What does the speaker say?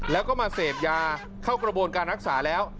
แล้วก็มาเสพยาเข้ากระบวนการรักษาแล้ว